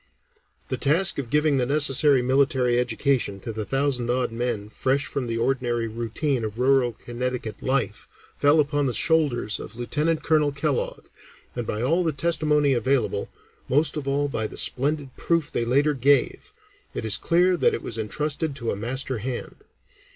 The task of giving the necessary military education to the thousand odd men fresh from the ordinary routine of rural Connecticut life, fell upon the shoulders of Lieutenant Colonel Kellogg, and by all the testimony available, most of all by the splendid proof they later gave, it is clear that it was entrusted to a master hand.